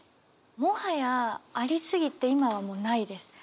もはやありすぎて今はもうないです。